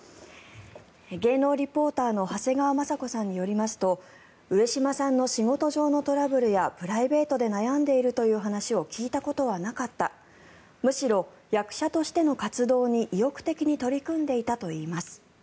芸能リポーターの長谷川まさ子さんによりますと上島さんの仕事上のトラブルやプライベートで悩んでいるという話を聞いたことはなかったむしろ役者としての活動に意欲的に取り組んでいたといいます。